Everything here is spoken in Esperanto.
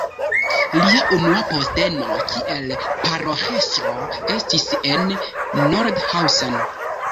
Lia unua posteno kiel paroĥestro estis en Nordhausen.